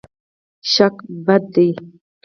شک بد دی.